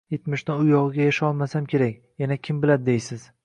Etmishdan u yog`iga yasholmasam kerak, yana kim biladi deysiz